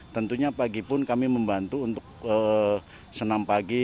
tentunya pagi pun kami membantu untuk senam pagi